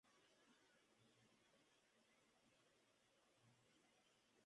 Los juicios por brujería no eran algo inusual en las Colonias Británicas.